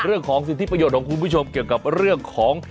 เรื่องของสิทธิประโยชน์ของคุณผู้ชมเกี่ยวกับเรื่องของ